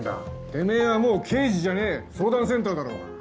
てめぇはもう刑事じゃねぇ相談センターだろうが。